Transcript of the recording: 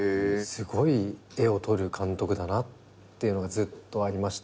すごい絵を撮る監督だなっていうのがずっとありまして。